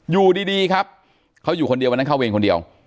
อยู่ดีครับเขาอยู่คนเดียววันนั้นเข้าเวรคนเดียว